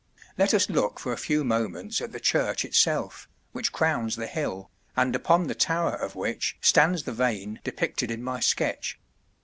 Let us look for a few moments at the church itself, which crowns the hill, and upon the tower of which stands the vane depicted in my sketch.